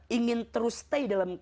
ingin terus stay dalam